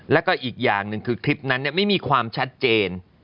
แล้วก็อีกอย่างหนึ่งคือคลิปนั้นไม่มีความชัดเจน